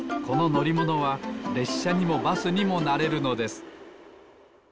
こののりものはれっしゃにもバスにもなれるのです。